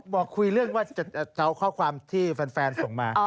บอกคุยเรื่องว่าจะเอาข้อความที่แฟนส่งมา